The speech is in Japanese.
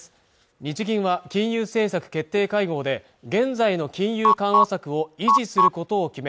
日銀は金融政策決定会合で現在の金融緩和策を維持することを決め